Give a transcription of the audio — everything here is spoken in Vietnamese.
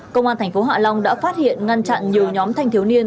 công an tp hạ long đã phát hiện ngăn chặn nhiều nhóm thanh thiếu niên